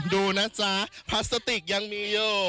ดูนะจ๊ะพลาสติกยังมีอยู่